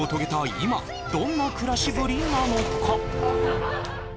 今どんな暮らしぶりなのか？